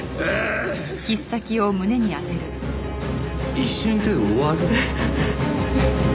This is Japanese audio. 一瞬で終わる。